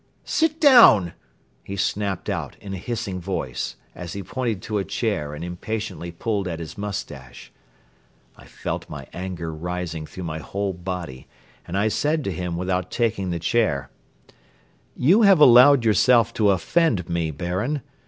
"Sit down," he snapped out in a hissing voice, as he pointed to a chair and impatiently pulled at his moustache. I felt my anger rising through my whole body and I said to him without taking the chair: "You have allowed yourself to offend me, Baron.